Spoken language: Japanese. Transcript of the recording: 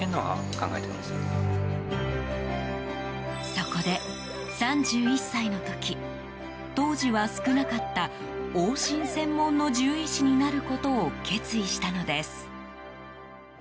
そこで、３１歳の時当時は少なかった往診専門の獣医師になることを決意したのです。